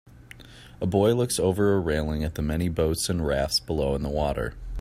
A boy looks over a railing at the many boats and rafts below in the water.